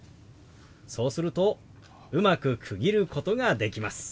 そうするとうまく区切ることができます。